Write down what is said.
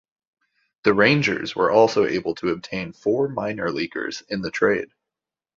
The Rangers were also able to obtain four minor leaguers in the trade.